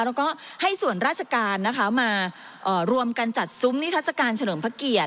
แล้วก็ให้ส่วนราชการนะคะมารวมกันจัดซุ้มนิทัศกาลเฉลิมพระเกียรติ